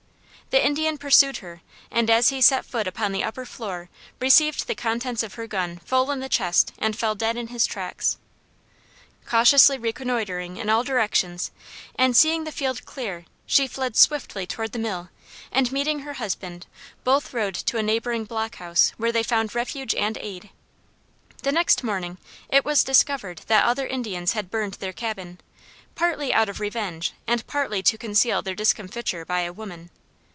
The Indian pursued her and as he set foot upon the upper floor received the contents of her gun full in the chest and fell dead in his tracks. Cautiously reconnoitering in all directions and seeing the field clear she fled swiftly toward the mill and meeting her husband, both rode to a neighboring block house where they found refuge and aid. The next morning it was discovered that other Indians had burned their cabin, partly out of revenge and partly to conceal their discomfiture by a woman.